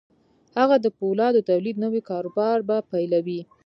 هغه د پولادو د تولید نوی کاروبار به پیلوي